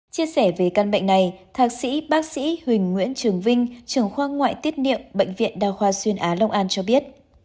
chia sẻ về căn bệnh này thạc sĩ bác sĩ huỳnh nguyễn trường vinh trưởng khoa ngoại tiết niệm bệnh viện đa khoa xuyên á long an cho biết